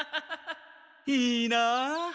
いいな！